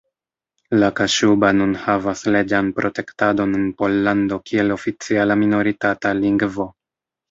La kaŝuba nun havas leĝan protektadon en Pollando kiel oficiala minoritata lingvo.